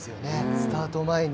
スタートの前に。